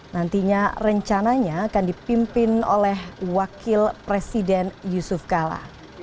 nantinya rencananya akan dipimpin oleh wakil presiden yusuf kala